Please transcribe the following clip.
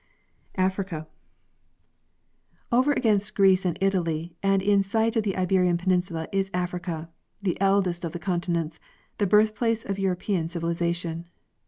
Africa. Over against Greece and Italy and in sight of the Iberian peninsula is Africa, the eldest of the continents, the birth place of European civilization.